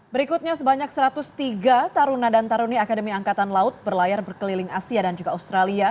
berikutnya sebanyak satu ratus tiga taruna dan taruni akademi angkatan laut berlayar berkeliling asia dan juga australia